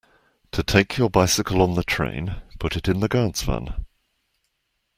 To take your bicycle on the train, put it in the guard’s van